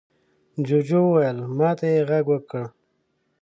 جوجو وويل: ما ته يې غږ وکړ.